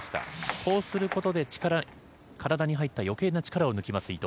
こうすることで体に入った力に余計な力を抜きます、伊藤。